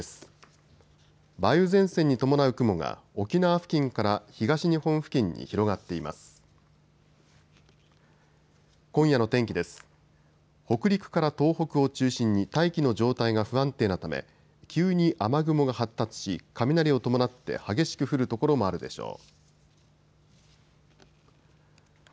北陸から東北を中心に大気の状態が不安定なため急に雨雲が発達し、雷を伴って激しく降る所もあるでしょう。